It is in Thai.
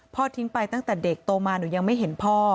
ทิ้งไปตั้งแต่เด็กโตมาหนูยังไม่เห็นพ่อ